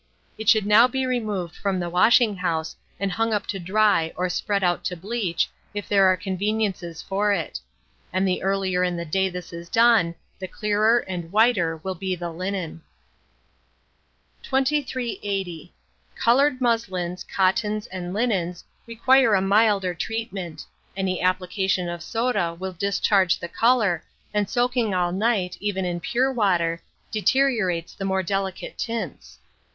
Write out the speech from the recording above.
It should now be removed from the washing house and hung up to dry or spread out to bleach, if there are conveniences for it; and the earlier in the day this is done, the clearer and whiter will be the linen. 2380. Coloured muslins, cottons, and linens, require a milder treatment; any application of soda will discharge the colour, and soaking all night, even in pure water, deteriorates the more delicate tints.